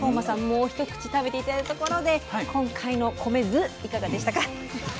もう一口食べて頂いたところで今回の米酢いかがでしたか？